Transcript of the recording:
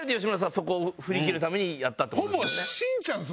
そこを振り切るためにやった。